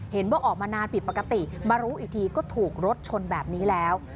ออกมานานผิดปกติมารู้อีกทีก็ถูกรถชนแบบนี้แล้ว